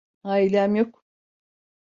Ailem yok.